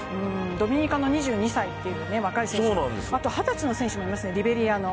ドミニカの２２歳という若い選手、あと２０歳の選手もいますね、リベリアの。